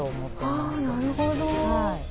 あなるほど。